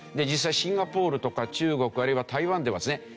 実際シンガポールとか中国あるいは台湾ではですね